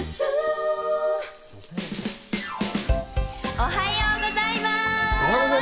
おはようございます！